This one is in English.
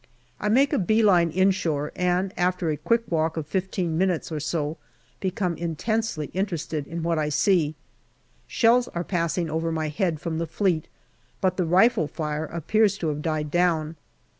I make a bee line inshore, and after a quick walk of fifteen minutes or so become intensely interested in what I see. Shells are passing over my head from the Fleet, but the rifle fire appears to have died down.